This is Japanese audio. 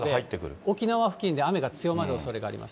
沖縄付近で強まるおそれがあります。